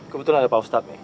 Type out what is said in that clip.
kebetulan ada pak ustadz nih